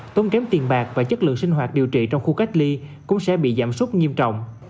tốn kém tiền bạc và chất lượng sinh hoạt điều trị trong khu cách ly cũng sẽ bị giảm súc nghiêm trọng